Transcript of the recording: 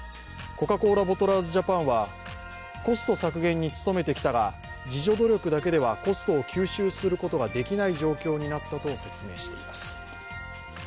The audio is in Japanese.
コカ・コーラボトラーズジャパンはコスト削減に努めてきたが自助努力だけではコストを吸収することができない状況になったと説明しています。